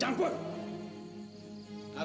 jangan ikut campur